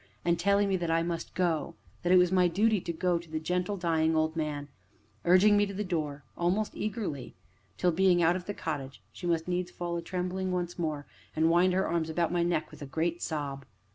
and telling me that I must go that it was my duty to go to the "gentle, dying old man" urging me to the door, almost eagerly, till, being out of the cottage, she must needs fall a trembling once more, and wind her arms about my neck, with a great sob.